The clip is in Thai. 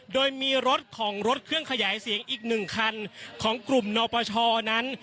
โดยมีรถของรถเครื่องขยายเสียงอีก๑คันของกลุ่มนปชนั้น